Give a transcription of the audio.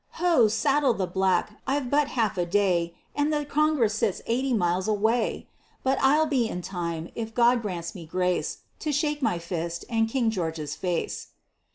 "Ho, saddle the black! I've but half a day, And the Congress sits eighty miles away But I'll be in time, if God grants me grace, To shake my fist in King George's face."